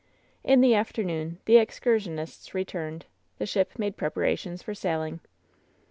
In the afternoon the excursionists returned. The ship made preparations for sailing.